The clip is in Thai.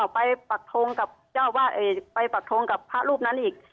ไปปากโทงกับพระรูปนั้นอีก